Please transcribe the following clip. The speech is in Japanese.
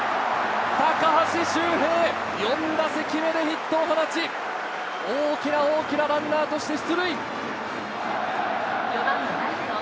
高橋周平、４打席目でヒットを放ち、大きな大きなランナーとして出塁。